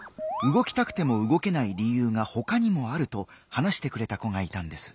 動きたくても動けない理由がほかにもあると話してくれた子がいたんです。